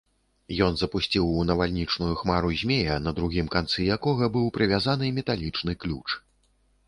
Ён запусціў у навальнічную хмару змея, на другім канцы якога быў прывязаны металічны ключ.